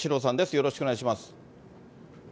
よろしくお願いします。